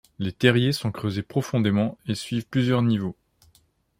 Les terriers sont creusés profondément et suivent plusieurs niveaux.